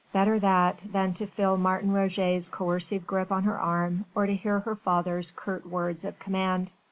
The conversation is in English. Better that, than to feel Martin Roget's coercive grip on her arm, or to hear her father's curt words of command.